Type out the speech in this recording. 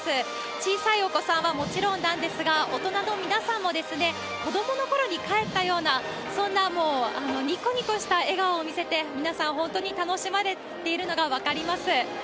小さいお子さんはもちろんなんですが、大人の皆さんも、子どものころにかえったような、そんなもうにこにこした笑顔を見せて、皆さん、本当に楽しまれているのが分かります。